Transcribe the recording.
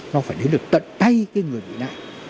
nó phải đến được tận tay cái người bị nạn